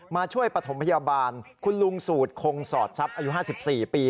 ช่วยปฐมพยาบาลคุณลุงสูตรคงสอดทรัพย์อายุ๕๔ปี